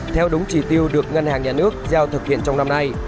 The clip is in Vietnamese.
theo đúng chỉ tiêu được ngân hàng nhà nước giao thực hiện trong năm nay